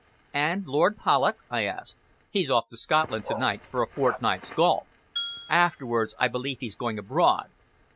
"And Lord Polloch?" I asked. "He's off to Scotland to night for a fortnight's golf. Afterwards I believe he's going abroad.